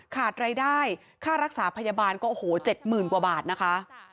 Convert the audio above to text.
ขาดรายได้ค่ารักษาพยาบาลก็โอ้โห๗๐๐๐กว่าบาทนะคะ